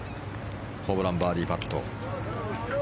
ホブラン、バーディーパット。